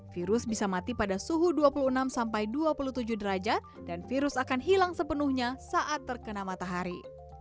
virus bisa mati pada suhu dua puluh enam sampai dua puluh tujuh derajat dan virus akan hilang sepenuhnya saat terkena matahari